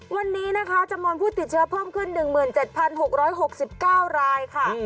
วันนี้นะคะจำนวนผู้ติดเชื้อเพิ่มขึ้น๑๗๖๖๙รายค่ะ